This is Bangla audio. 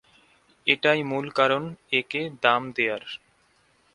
এটাই মূল কারণ একে দাম দেয়ার।